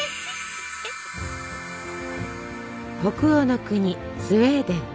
北欧の国スウェーデン。